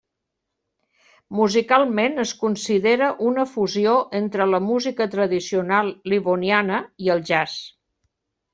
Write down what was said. Musicalment es considera una fusió entre la música tradicional livoniana i el jazz.